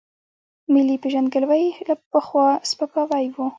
ملي پېژندګلوۍ پخوا سپکاوی و.